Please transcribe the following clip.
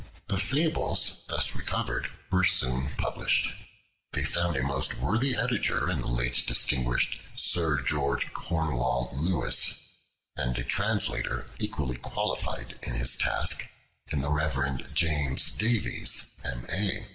The Fables thus recovered were soon published. They found a most worthy editor in the late distinguished Sir George Cornewall Lewis, and a translator equally qualified for his task, in the Reverend James Davies, M.A.